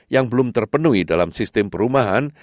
yang belum terpenuhi dalam sistem perumahan